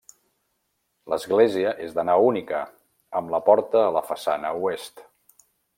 L'església és de nau única, amb la porta a la façana oest.